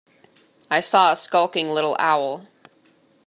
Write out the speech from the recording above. I saw a skulking little owl.